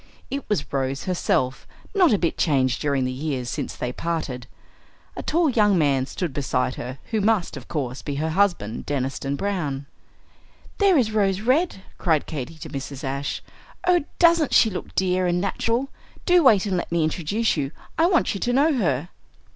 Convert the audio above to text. It was Rose herself, not a bit changed during the years since they parted. A tall young man stood beside her, who must, of course, be her husband, Deniston Browne. "There is Rose Red," cried Katy to Mrs. Ashe. "Oh, doesn't she look dear and natural? Do wait and let me introduce you. I want you to know her."